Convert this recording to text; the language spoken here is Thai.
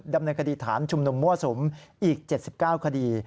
ดำเนินคดีฐานชุมนุมมั่วสุมอีก๗๙คดี